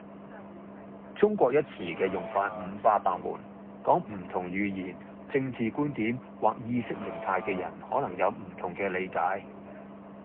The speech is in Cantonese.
「中國」一詞嘅用法五花八門，講唔同語言，政治觀點或意識形態嘅人可能有唔同嘅理解